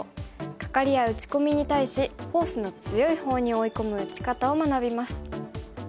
カカリや打ち込みに対しフォースの強いほうに追い込む打ち方を学びます。